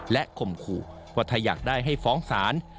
ข่มขู่ว่าถ้าอยากได้ให้ฟ้องศาล